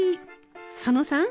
佐野さん